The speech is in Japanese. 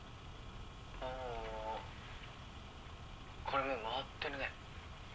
あこれもう回ってるね。